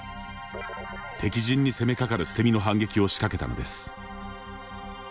敵陣に攻めかかる捨て身の反撃を仕掛けたのです。